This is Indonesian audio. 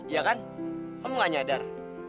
ya kan kamu gak nyadar